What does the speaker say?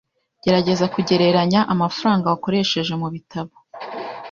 Gerageza kugereranya amafaranga wakoresheje mubitabo .